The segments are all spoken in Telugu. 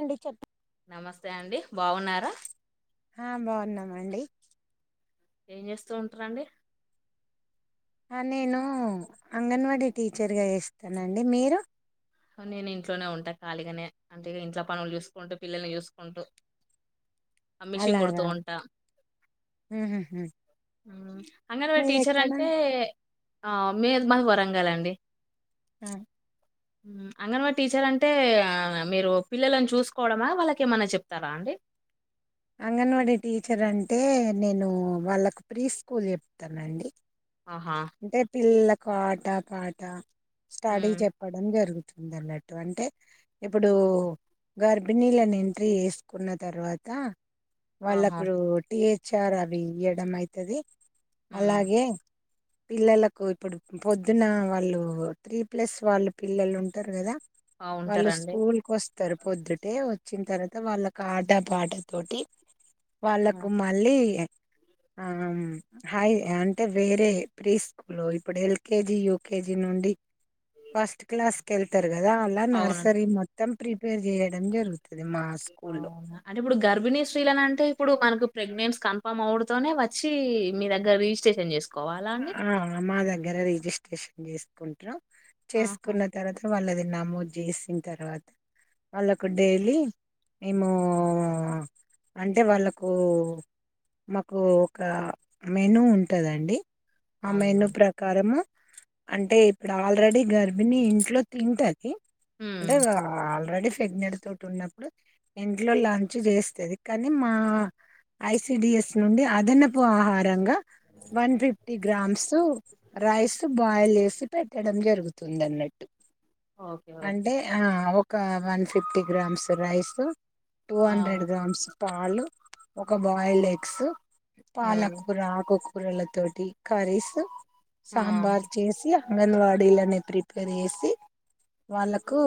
ఎంటి చెప్ నమస్తే అండి బాగున్నారా ఆ బాగున్నామండి ఏం చేస్తూ ఉంట్రండి ఆ నేను అంగన్వాడి టీచర్గా చెస్తానండి మీరు హూ నేను ఇంట్లోనే ఉంటాను ఖాళిగానే అంటే ఇంట్ల పనులు చూస్కుంటూ పిల్లల్ని చూస్కుంటూ అ మిషన్ కుడ్తూ అలాగా ఉంటా ఉహుహు ఆ అంగన్వాడి టీచర్ మీదెక్కడ అంటే ఆ మేద్ మాది వరంగలండి అ అంగన్వాడి టీచర్ అంటే మీరు పిల్లని చూస్కోవడమా వాళ్ళకేమన్నా చెప్తారా అండి అంగన్వాడీ టీచర్ అంటే నేను వాళ్ళకు ప్రీ స్కూల్ జెప్తానండి ఆహా అంటే పిల్లకు ఆట పాట స్టడీ ఉమ్ జెప్పడం జరుగుతు ముందన్నట్టు అంటే ఇప్పుడు గర్భిణీలను ఎంట్రీ ఎస్కున్న తర్వాత ఆహా వాళ్ళకు టిహెచ్ఆర్ అవి ఇయ్యడమైతది ఉమ్ అలాగే పిల్లలకు ఇప్పుడు పొద్దున వాళ్ళు త్రీ ప్లస్ వాళ్ళు పిల్లలుంటారు కదా ఆ వాళ్ళు ఉంటారండి స్కూల్కోస్తరు పొద్దుటే వచ్చిన తర్వాత వాళ్ళకు ఆట పాట తోటి వాళ్ళకు మళ్ళీ ఆమ్ హాయ్ అంటే వేరే ప్రీ స్కూలు ఇప్పుడు ఎల్కేజీ యూకేజి నుండి ఫస్ట్ క్లాస్ కేళ్తారు కదా అలా అవును నర్సరీ మొత్తం ప్రిపేర్ జేయ్యడం జరుగుతుంది మా స్కూల్లో అవ్నా అంటే ఇప్పుడు గర్భిణీ స్రీలనంటే ఇప్పుడు మనకు ప్రెగ్నెన్స్ కన్ఫామ్ అవ్వుడుతోనే వచ్చి మీ దగ్గర రిజిస్ట్రేషన్ చేస్ ఆ మా దగ్గర రిజిస్ట్రేషన్ జేస్కుంట్రు ఆహా చేస్కున్న తర్వాత వాళ్ళది నమోదు చేసిన తర్వాత వాళ్ళకు డైలీ ఏమో అంటే వాళ్ళకూ మాకు ఒక మేనూ ఉంటందండి ఆ అవునా మేనూ ప్రకారము అంటే ఇప్పుడాల్రెడీ గర్భిణి ఇంట్లో తింటది ఇ అంటే హ్మ్ ఆల్రడీ ప్రెగ్నెట్ తోటి ఉన్నప్పుడు ఇంట్లో లంచ్ చేస్తది కానీ మా ఐసిడిఎస్ నుండి అదనపు ఆహారంగా one fif fifty grams rice boil చేసి పెట్టడం జరుగుతుందన్నట్టు ఓకే ఓకే అంటే ఆ ఒక one fifty grams rice two ఆ! హండ్రెడ్ గ్రామ్స్ పాలు ఒక బాయిల్డ్ ఎగ్స్ హ్మ్. పాలకూర ఆకుకూరల తోటి కర్రీస్ ఆ! సాంబార్ చేసి అంగన్వాడీలనే ప్రిపేర్ చేసి వాళ్ళకు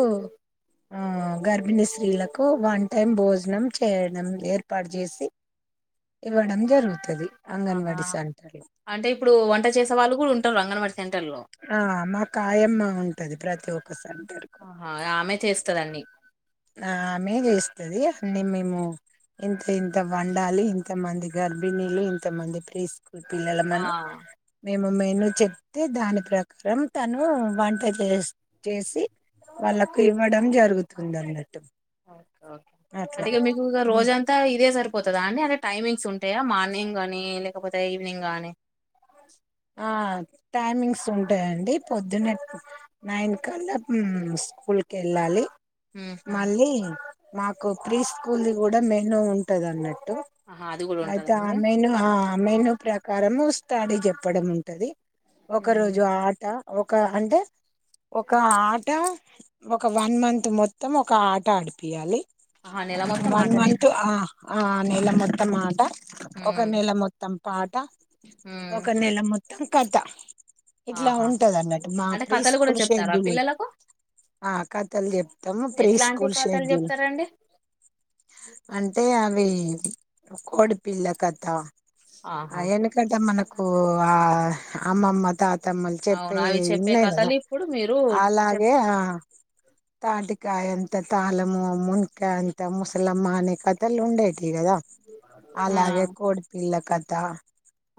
ఆ గర్భిణీ స్త్రీలకు వన్ టైం భోజనం చేయడం ఏర్పాటు చేసి ఇవ్వడం జరుగుతది ఆహా అంగన్వాడీ సెంటర్లో అంటే ఇప్పుడు వంట చేసే వాళ్ళు గుడుంటరు అంగన్వడీ ఆ మా కాయమ్మ ఉంటది ప్రతి ఒక్కసారి ఆహా ఆమె చేస్తదన్నీ ఆమే చేస్తది అన్ని మేము ఇంత ఇంత వండాలి ఇంత మంది గర్భిణీలు ఇంతమంది ప్రీస్ ఆ! పిల్లలమని మేము మెనూ చెప్తే దాని ప్రకారం తను వంట చేస్ చేసి వాళ్ళకు ఇవ్వడం జరుగుతుందండి ఓకె ఒకె అంటె ఇగ మీకు ఇగ రోజంతా ఇదే సరిపోతదా అండి అదె టైమింగ్స్ ఉంటయా మార్నింగ్ గానీ లేకపోతే ఈవినింగ్ గానీ ఆ టైమింగ్స్ ఉంటాయండి పొద్దున్న నైన్ కల్లా మ్ స్కూల్ కేళ్ళాలి హుహు. మళ్ళీ మాకు ప్రీ స్కూల్ ది గూడ మెనూ ఉంటది అన్నట్ ట్టు ఆహా! అది గూడా అయితే ఉంటదా ఆ అండి? మెనూ హా ఆ మెనూ ప్రకారం స్టడీ చెప్పడం ఉంటది ఒక హ్మ్. రోజు ఆట ఒక అంటే ఒక ఆట ఒక వన్ మంత్ మొత్తం ఒక ఆట ఆడిపియాలి ఆహా! నెల మొత్తం వన్ ఆటనే. మంత్ ఆ ఆ నెల మొత్తం ఆట ఒక హ్మ్. నెల మొత్తం పాట హ్మ్ ఒక నెల మొత్తం కథ ఇట్లా ఆహా! ఉంటది అన్నట్టు మా అంటే ప్రీ కథలు గూడా స్కూల్ చెప్తారా షెడ్యూలు పిల్లలకు? ఆ కథలు చెప్తము ప్రీ ఎట్లాంటి స్కూల్ కథలు షెడ్యూలు జెప్తారండి? అంటే అవీ కోడిపిల్ల కథా అ ఆహా! ఎనకట మనక్ కూ ఆ అమ్మమ్మ తా తమ్మలు అవును చెప్పే అవి చెప్పే ఉన్నయి గదా కథలు ఇప్పుడు మీరు చెప్ అలాగే ఆ తాటి కాయ అంత తాలము మున్కాయ అంత ముసలమ్మ అనే కథలు ఉండేట్ గదా ఆ అలాగే కోడిపిల్ల కథ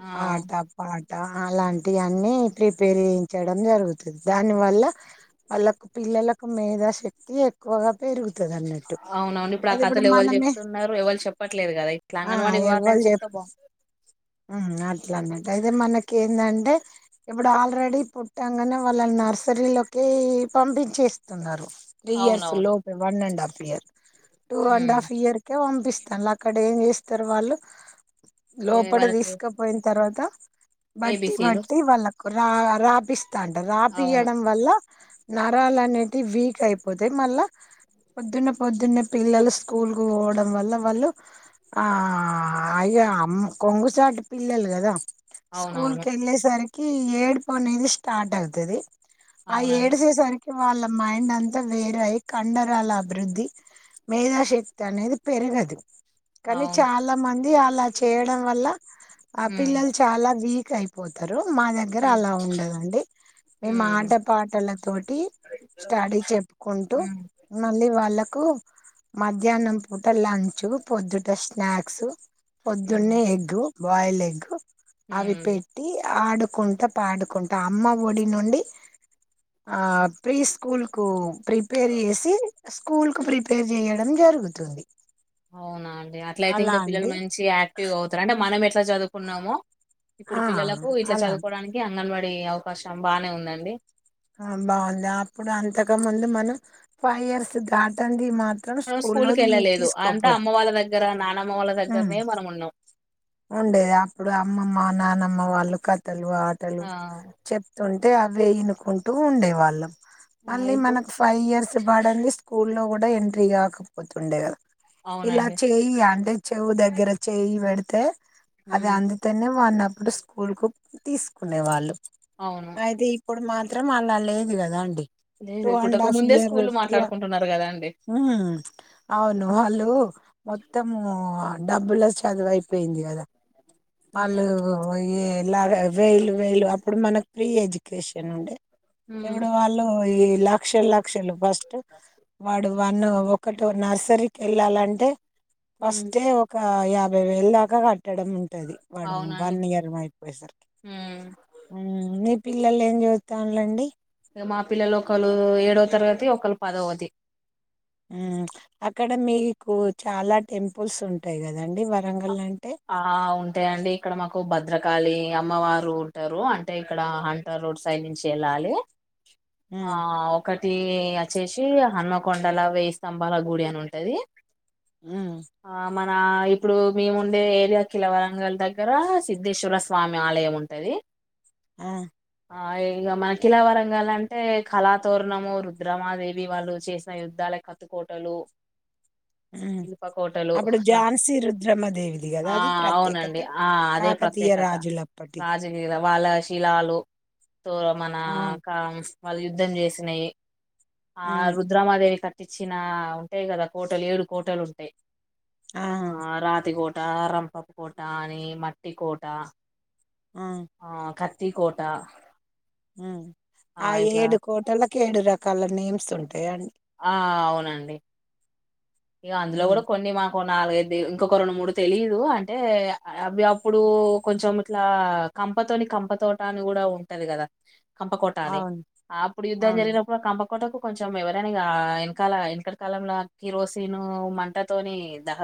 ఆ ఆట పాట్ ట అలాంటి అన్ని ప్రిపేర్ చేయించడం జరుగుతుంది దానివల్ల ఆళ్ళకు పిల్లలకు మేధా శక్తి ఎక్కువగా పెరుగు అవునవును ఇప్పుడు ఆ కథలు ఎవలు చెప్తున్నారు ఎవలు చెప్పట్లేదు గదా ఇట్ల అంగన్వాడకి వాళ్ళని చెప్తావ్ బ మ్ ఆట్లన్ అయితే మనకి ఏందంటే ఇప్పుడు ఆల్రెడీ పుట్టంగనే వాళ్ళని నర్సరీలోకీ ఈ పంపించేస్తున్నరు త్రీ ఇయర్స్ అవునవును లోపె one and half year two and um half year కె పంపిస్ తన్ల్ అక్కడ ఏం చేస్తరు వాళ్ళు ఏ లోపడ వాళ్ళకి తీసుకపోయిన తర్వాత బట్టి ఏబిసీలు బట్టి వాళ్ళకు రా రాపిస్తా అంటర్ అవును రాపియడం వల్ల నరాలనేటియ్ వీక్ అయిపోతాయి మళ్ళ పొద్దున్న పొద్దున్న పిల్లలు స్కూల్ కు పోవడం వల్ల వాళ్ళు ఆఆ అయి య అమ్ కొంగు సాటి పి పిల్లలు గదా స్కూల్ అవునవును కెళ్ళేసరికి ఏడుపు అనేది స్టార్ట్ అవుతది ఆ అవునండి ఏడిసే సరి కి వాళ్ళ మైండ్ అంత వేరాయ్ కండరాల అభివృద్ధి మేధాశక్తి అనేది పేర్ గదు కనీ అవును చాలా మంది అలా చేయడం వల్ల ఆ ఉమ్ పిల్లలు చాలా వీక్ అయిపోతారు మా దగ్గర ఉమ్ అలా ఉండదండి మేము ఉమ్ ఆటపాటలతోటి స్టడీ చెప్పుకుంటూ ఉమ్ మళ్ళీ వాళ్ళ కు మధ్యాహ్నం పూట లంచ్ పొద్దుట స్నాక్స్ ఉమ్ పొద్దున్నే ఎగ్గు బాయిల్ ఎగ్గు అవి ఉమ్ పెట్టి ఆడు కుంటా పాడుకుంటా అమ్మ ఒడి నుండి ఆ ప్రీ స్కూల్ కు ప్రిపేర్ చేసి స్కూల్ కు ప్రిపేర్ చేయడం జరుగుతుంది అవునా అండి అట్ల అయితే అలా ఇంకా పిల్లలు అండి మంచి యాక్టివ్ గా అవుతారు అంటే మనం ఎట్లా చదువుకున్నామో ఇప్పుడు ఆ పిల్లలకు ఇట్లా అలా చదువుకోవడానికి అంగన్వాడీ అవకాశం బానే ఉందండి ఆ బాగుంది అప్పుడు అంతక ముందు మనం ఫైవ్ ఇయర్స్ దాటంది మ త మనం స్కూల్ కి లోది వెళ్ళలేదు అంతా అమ్మ తిస్కోపోయేది వాళ్ళ దగ్గర నానమ్మ వాళ్ళ దగ్గరనే మనం ఉన్నాం ఉండేది అప్పుడు అమ్మమ్మ నానమ్మ వాళ్ళు కథలు ఆటలు ఆ చెప్తుం తే అవే ఇనుకుంటూ ఉండేవాళ్ళం ఆ మళ్ళీ ఇప్పుడు మనకు ఫైవ్ ఇర్స్ పడంది స్కూలో కూడా ఎంట్రీ కాకపోతుండే కదా ఇలా అవునండి చేయి అంటే చెవు దగ్గర చేయి పెడితే అది ఉమ్ అందుతోనే వన్న ఇప్పుడు స్కూల్ కు తీసుకునే వాళ్ళు అవును అయితే ఇప్పుడు మాత్రం అలా లేదు కదా అండి టూ లేదు అండ్ పుట్టక హాఫ్ ముందే ఇయర్ స్కూల్ త్రీ మాట్లాడుకుంటున్నారు కదా అండి ఉమ్ అవును అలు మొత్తము డబ్బుల చదువైపోయింది కదా. ఉమ్ ఆళ్ళు ఇలా వేలు వేలు అప్పుడు మనకు ఫ్రీ ఎడ్యుకేషన్ ఉండే ఉమ్ ఎవడు వాళ్ళు ఈ లక్ష లక్షలు ఫస్ట్ వాడు వాన్ను ఒకటి నర్సరీకి వెళ్ళాలంటే ఉమ్ ఫస్ట్ ఏ ఒక యాభై వేలు దాకా కట్టడం ఉంటది వాడు అవునండి వన్ ఇయర్ అయిపోయేసరికి ఉమ్ నీ పిల్లలు ఏం చే మా పిల్లలు ఒకలు ఏడవ తరగతి ఒకళ్లు పదవది అక్కడ మీకు చాలా టెంపుల్స్ ఉంటాయి కదండి వరంగల్ లం ఆ ఉంటాండి ఇక్కడ మాకు భద్ర కాలి అమ్మవారు ఉంటరు అంటే ఇక్కడ హంటా రోడ్ సైడ్ నుంచి వెళ్ళాలి ఆ ఉమ్, ఒక టి వచ్చేసి హన్మకొండల వెయ్యి స్తంభాల గుడి అని ఉంటది. ఉమ్ ఆ మన ఇప్పుడు మేము ఉండే ఏరియా కిలవరంగల్ దగ్గర సిధేశ్వర స్వామి ఆలయం ఉంటది ఆ ఆ ఇంగ మనకిిలావరంగాల అంటే కళాతోరణము రుద్రమాదేవి వాళ్ళు చేసిన యుద్ధాలు కత్తుకోటలు ఉమ్ ఇనుప కోటలు అప్పుడు రా- ఝాన్సీ రుద్రమదేవి ఆ అవునండి ఆ అదే కాకతీయ ప్రత్యేకత రాజులప్పటి రాజులు వాళ్ళ శిలాలు తో మన ఆ క వాళ్ళు యుద్ధం చేసినయి ఆ మ్మ్ రుద్రామాదేవి కట్ట చ్చిన ఉంటయి కదా కోటలు ఏడు కోటలు ఉంటాయి ఆ రాతి కోట కోట రంపపు కోట అని మట్టి కోట ఆ క త్తి కోట ఆ ఏడు కోటలకు ఏడు రకాల నేమ్స్ ఉంటాయా అండి ఆ అవునండి ఇగ అందులో మ్మ్ కూడా కొన్ని మా నాలుగైదు ఇంకొక రెండు మూడు తెలీదు అంటే అవి అప్పుడు కొంచెం ఇట్లా కంపతోని కంప తోటాని కూడా ఉంటది కదా కంపకోటలి అవును అప్పుడు యుద్ధం అవును జరిగినప్పుడు కంప కొటకు కొంచెం ఎవరైనా ఇగ వెనకాల ఎంకటికాలంల కిరోసిన్ తిను మంటతోని దహ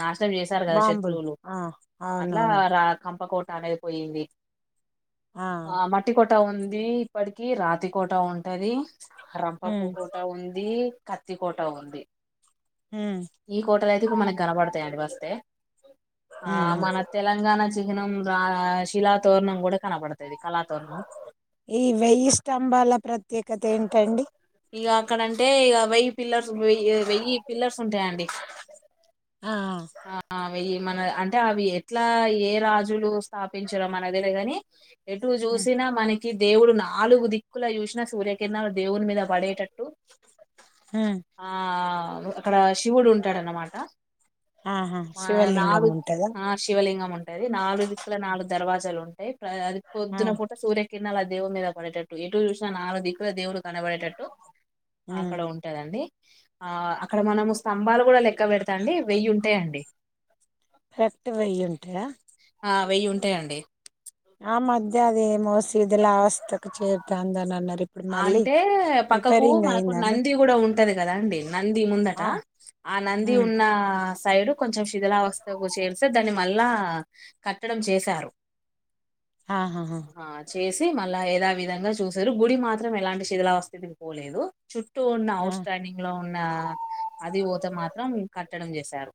నా చేశారు కదా బాంబులు శత్రువులు ఆ అట్లా అవునవును రా పకో టనేది పోయింది ఆ మట్టికొట్ కోట ఉంది ఇప్పటికి రాతి కోట ఉంటది. రంపపు మ్మ్ కోట ఉంది. కత్తి కోట ఉంది. మ్మ్ ఈ కోటలయితే ఇప్పుడు మనకి కనపడతాయండి వస్తే ఆ మ్మ్ మన తెలంగాణ చిహ్నం రా శిలాతోరణం కూడా కనపడతాది కళాతోరణం కథెంటండి? ఇగ అక్కడంటే ఇగ వెయ్యి పిల్లర్ వె వెయ్యి పిల్లర్స్ ఉంటాయండి ఆ ఆ వెయ్యి మన అంటె అవి ఎట్లా ఏ రాజులు స్థాపించడం మనక్ తెలద్గని ఎటు చూసినా మనకి దేవుడు నాలుగు దిక్కులా చూసినా సూర్యకిరణాలు దేవుని మీద పడేటట్టు మ్మ్ ఆ అక్కడ శివుడు ఉంటాడన్నమాట ఆహా ఆ శివలింగం నాలుగు ఉంటదా ఆ శివలింగం ఉంటది నాలుగు దిక్కుల నాలుగు దర్వాజలు అది ఆ పొద్దున పూట సూర్య కిరణలా దేవుని మీద పడేటట్టు ఎటు చూసిన నాలుగు దిక్కుల దేవుడు కనబడి డు మ్మ్ అక్కడ ఉంటదండి ఆ అక్కడ మనం స్తంభాలు కూడా లెక్క పెడతండి వెయ్యి ఉంటాయండి. కరెక్ట్ వెయ్యి ఉంటయా ఆ వెయ్యి ఉంటయండి ఆ మధ్య అదే మోసీదుల అవస్కి చేరతాందాన్నరు అంటే పక్కకు మనకు అయిందండి నంది కూడా ఉంటది కదా. అండి నంది ముందట ఆ ఆ నంది ఉమ్ ఉన్న సైడు కొంచెం శిథిలావస్థకు చేరిస్తే దాన్ని మళ్ళా కట్టడం చేశారు. ఆహాహా ఆ చేసి మళ్ళా ఏదా విధంగా చూసరు గుడి మాత్ ఎలాంటి శిథలావస్థకి పోలేదు. చుట్టూ ఉన్న ఆ ఔట్ స్టాండింగ్ లో ఉన్న అది త్తే మాత్రం కట్టడం చేశారు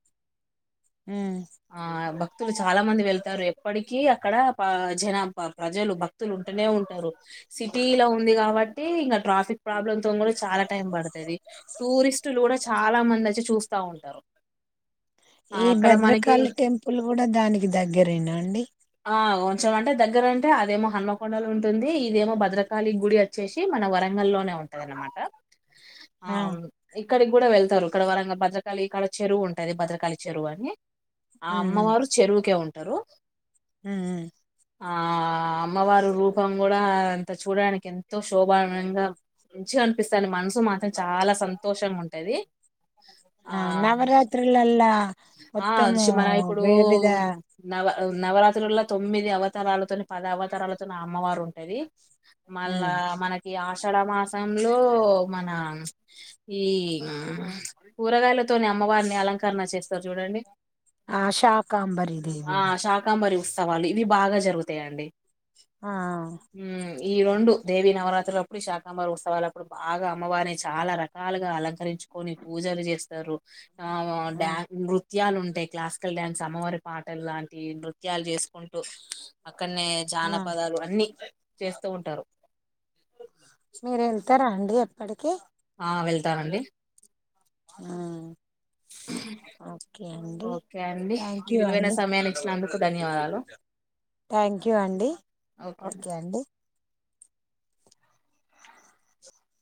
ఉమ్ ఆ భక్తులు చాలా మంది వెళ్తారు. ఎప్పటికీ అక్కడ ప జనాభా ప్రజలు భక్తులు ఉంటనే ఉంటరు. సిటీలో ఉందిగా కాబట్టి ఇంక ట్రాఫిక్ ప్రాబ్లంతోని కూడా చాలా టైం పడతది. టూరిస్టులు కూడా చాలా మంది వచ్చి చు చూస్తా ఉంటరు ఈ భద్రకాళి టెంపుల్ కూడా దానికి దగ్గరేనా అండి. కొంచం అంటే దగ్గర అంటే అదేమో హనుమకొండలో ఉంటుంది. ఇదేమో భద్రకాళి గుడి వచ్చేసి మన వరం వరంగల్ లోనే ఉంటదన్నమాట. ఆ అవును ఇక్కడికి కూడా వెళ్తరు ఇక్కడ వరంగల్ పంచ కాలి క్కడ చెరువు ఉంటది. భద్రకాళి చెరువు అని ఆ అమ్మవారు చెరువుకే ఉంటరు. ఉ ఊ ఆ అమ్మవారు రూపం కూడా అంత చూడడానికి ఎన్ ఎంతో శోభానంగా మంచిగ అనిపిస్తదండి మనసు మాత్రం చాలా సంతోషం ఉంటది ఆ ఆ మొత్తము ఆష్ మన ఇప్పుడు వేవిధ నవ నవరాత్రుళ్ళల్లో తొమ్మిది అవతారాలతోని పద అవతారాలతోని అమ్మవారుంటది మల్ ల్లా ఉమ్ మనకి ఆషాఢ మాసంలో మన ఈన కూరగాయలతోని అమ్మవారిని అలంకరణ చేస్తారు చూడండి ఆ శాకాంబరి దేవి ఆ అని శాకంబరిస్ సవాలివి బాగా జరుగుతాయండి ఆ ఉమ్, ఈ రొండు దేవి నవరాత్రులప్పుడు శాకాంబరి ఉత్సవలప్పుడు బాగా అమ్మవారిని చాలా రకాలుగా అలకరించుకొని పూజ పూజలు చేస్తారు ఆ ఆ డ్యాంకురు నృత్యాలు ఉంటయ్ క్లాసికల్ డ్యాన్స్ అమ్మవారి పాటలు లాంటి నృత్యాలు చేసుకుంటూ ఇక్కన్నే ఆ జానపదాలు అన్ని చేస్తూ ఉంటారు. మీరు వెళ్తారా అండి అక్కడికి ఆ వెళ్తానండి ఆ ఓకే అండి ఓకే అండి థ్యాంక్ మీ యూ విలువైన అండి సమయాన్ని ఇచ్చినందుకు ధన్యవాదాలు థ్యాంక్యూ అండి ఓకే అండి